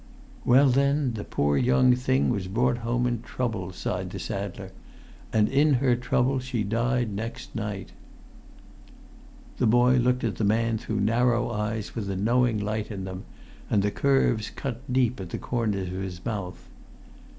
"Well, then, the poor young thing was brought home in trouble," sighed the saddler. "And in her trouble she died next night." [Pg 10]The boy looked at the man through narrow eyes with a knowing light in them, and the curves cut deep at the corners of his mouth.